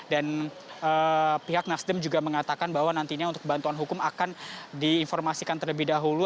dan pihak nasdem juga mengatakan bahwa nantinya untuk bantuan hukum akan diinformasikan terlebih dahulu